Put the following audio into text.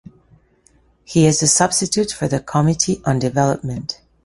He is a substitute for the Committee on Development.